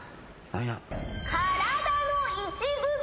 体の一部分。